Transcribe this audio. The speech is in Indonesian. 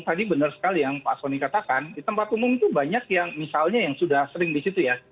tadi benar sekali yang pak soni katakan di tempat umum itu banyak yang misalnya yang sudah sering di situ ya